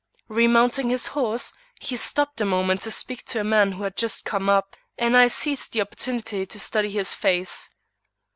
Remounting his horse, he stopped a moment to speak to a man who had just come up, and I seized the opportunity to study his face.